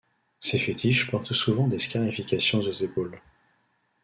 Ces fétiches portent souvent des scarifications aux épaules.